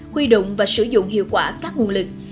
huy động và sử dụng hiệu quả các nguồn lực